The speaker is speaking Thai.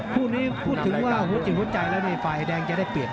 คู่นี้พูดถึงว่าหัวจิตหัวใจแล้วนี่ฝ่ายแดงจะได้เปรียบ